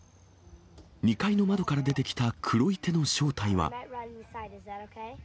２階の窓から出てきた黒い手の正体は。